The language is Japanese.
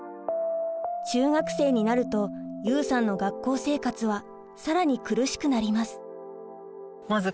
中学生になるとユウさんの学校生活は更に苦しくなります。